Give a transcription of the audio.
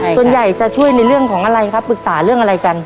ส่วนใหญ่จะช่วยในเรื่องของอะไรครับปรึกษาเรื่องอะไรกัน